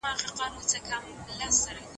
تاسې د ټولنیزو اړیکو ماهیت ته څومره توجه کوئ؟